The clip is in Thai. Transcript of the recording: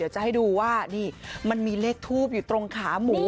จะให้ดูว่านี่มันมีเลขทูบอยู่ตรงขาหมู